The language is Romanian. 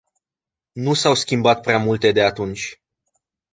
Nu s-au schimbat prea multe de atunci.